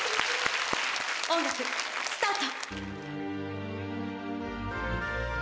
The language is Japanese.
音楽スタート！